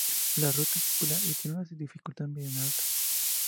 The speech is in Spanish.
La ruta es circular y tiene una dificultad media-alta.